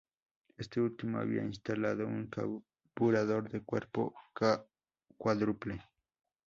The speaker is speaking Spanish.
Este último había instalado un carburador de cuerpo cuádruple.